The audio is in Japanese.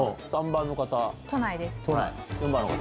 ４番の方。